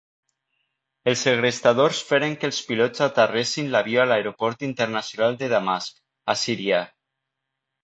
Els segrestadors feren que els pilots aterressin l'avió a l'Aeroport Internacional de Damasc, a Síria.